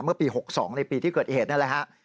เมื่อปี๖๒ในปีที่เกิดเหตุนั่นแหละฮะ